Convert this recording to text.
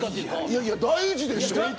大事でしょ。